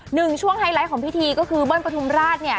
หนึ่งช่วงไฮไลท์ของพิธีก็คือเบิ้ลปฐุมราชเนี่ย